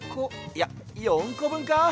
いや４こぶんか？